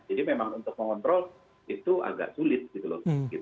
jadi memang untuk mengontrol itu agak sulit gitu loh